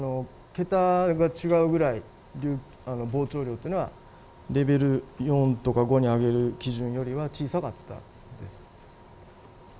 桁が違うぐらい膨張量というのはレベル４、５におよぶレベルよりは小さかったです。